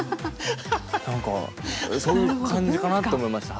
何かそういう感じかなと思いました。